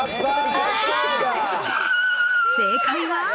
正解は。